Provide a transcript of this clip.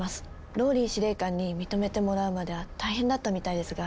ＲＯＬＬＹ司令官に認めてもらうまでは大変だったみたいですが。